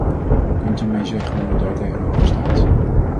Kunt u mij zeggen hoe u daartegenover staat?